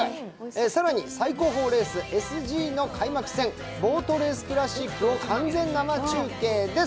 更に最高峰レースＳＧの開幕戦、ボートレースクラシックを完全生中継です。